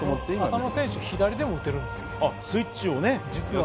浅野選手、左でも打てるんですよ、実は。